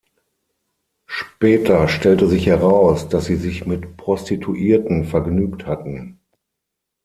Später stellte sich heraus, dass sie sich mit Prostituierten vergnügt hatten.